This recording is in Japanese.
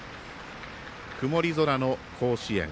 曇り空の甲子園。